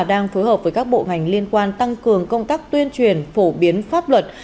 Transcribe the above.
đang phối hợp với các bộ ngành liên quan tăng cường công tác tuyên truyền phổ biến pháp luật